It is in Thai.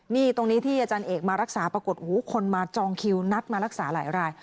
นี่ตรงนี้ที่อาจารย์เอกมารักษาปรากฏคนมาจองคิวนัดมารักษาหลายราย